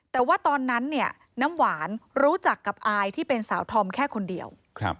แต่ว่าตอนนั้นเนี่ยน้ำหวานรู้จักกับอายที่เป็นสาวธอมแค่คนเดียว